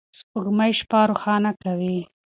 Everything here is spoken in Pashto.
سپوږمۍ شپه روښانه کوي.